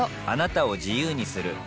あなたを自由にする